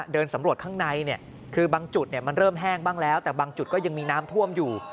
เดินสำรวจข้างในคือบางจุดมันเริ่มแห้งบ้างแล้วแต่บางจุดก็ยังมีน้ำท่วมอยู่